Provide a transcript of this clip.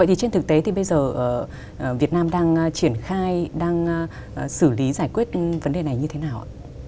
thì trên thực tế thì bây giờ việt nam đang triển khai đang xử lý giải quyết vấn đề này như thế nào ạ